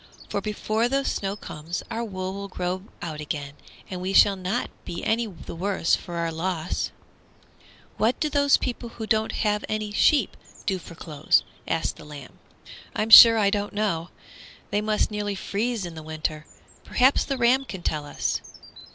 For before the snow comes our wool will grow out again, and we shall not be any the worse for our loss." "What do those people who haven't any sheep do for clothes?" asked the lamb. "I'm sure I don't know. They must nearly freeze in the winter. Perhaps the ram can tell us."